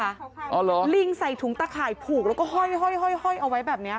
อ๋อเหรอลิงใส่ถุงตะข่ายผูกแล้วก็ห้อยเอาไว้แบบนี้